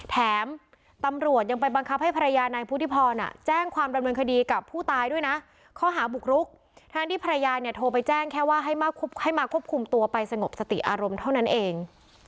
แถมตำรวจยังไปบังคับให้ภรรยานายพุทธิพรแจ้งความดำเนินคดีกับผู้ตายด้วยนะข้อหาบุกรุกทั้งที่ภรรยาเนี่ยโทรไปแจ้งแค่ว่าให้มาควบคุมตัวไปสงบสติอารมณ์เท่านั้นเอง